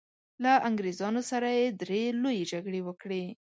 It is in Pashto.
له انګریزانو سره یې درې لويې جګړې وکړې.